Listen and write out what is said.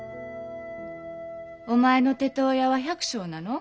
お前の父親は百姓なの？